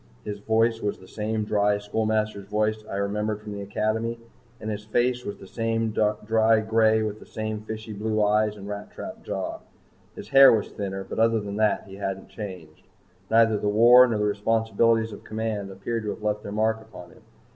His voice was the same dry schoolmaster's voice I remembered from the Academy. And his face was the same dry gray with the same fishy blue eyes and rat trap jaw. His hair was thinner, but other than that he hadn't changed. Neither the war nor the responsibilities of command appeared to have left their mark upon him.